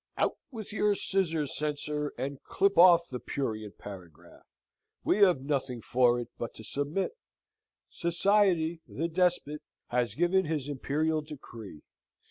Out with your scissors, censor, and clip off the prurient paragraph! We have nothing for it but to submit. Society, the despot, has given his imperial decree.